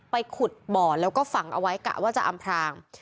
ไปขุดบ่อแล้วก็ฝังเอาไว้กะว่าจะอำพราง